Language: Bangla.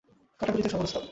কাটাকুটিতে সবার ওস্তাদ।